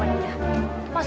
aini berhak tahu